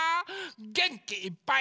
げんきいっぱい。